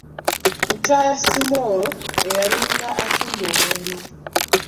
Mukyala 'Simoolo' eyalinga atunda omwenge.